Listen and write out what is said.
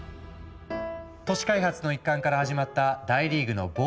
都市開発の一環から始まった大リーグのボール